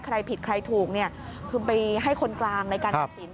ใครผิดใครถูกคือไปให้คนกลางในการออกศิลป์